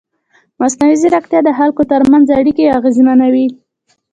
مصنوعي ځیرکتیا د خلکو ترمنځ اړیکې اغېزمنوي.